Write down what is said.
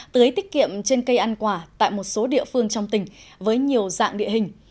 tưới tiết kiệm trên cây ăn quả tại một số địa phương trong tỉnh với nhiều dạng địa hình